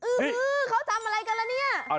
เขาทำอะไรกันละเนี่ย